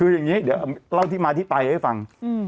คืออย่างนี้เดี๋ยวเล่าที่มาที่ไปให้ฟัง